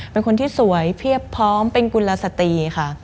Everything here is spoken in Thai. เป็นคนที่สวยเพียบพร้อมเป็นกุลสตรีค่ะ